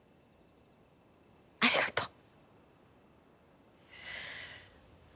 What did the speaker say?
ありがとう。